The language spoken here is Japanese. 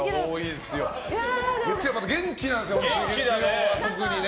月曜、元気なんですよ、特にね。